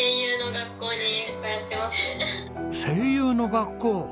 声優の学校！